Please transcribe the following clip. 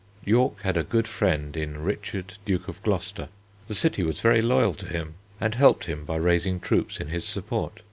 York had a good friend in Richard, Duke of Gloucester. The city was very loyal to him and helped him by raising troops in his support.